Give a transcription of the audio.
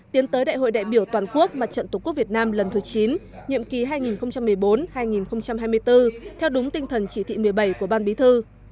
tiến tới đại hội đại biểu toàn quốc mặt trận tổ quốc việt nam lần thứ chín nhiệm kỳ hai nghìn một mươi bốn hai nghìn hai mươi bốn theo đúng tinh thần chỉ thị một mươi bảy của ban bí thư